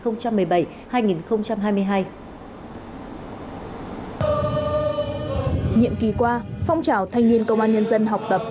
nhiệm kỳ qua phong trào thanh niên công an nhân dân học tập